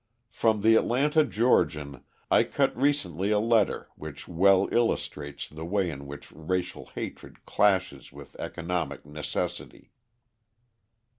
From the Atlanta Georgian I cut recently a letter which well illustrates the way in which racial hatred clashes with economic necessity.